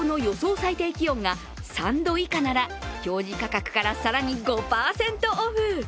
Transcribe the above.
最低気温が３度以下なら表示価格から更に５％オフ。